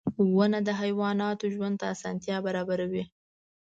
• ونه د حیواناتو ژوند ته اسانتیا برابروي.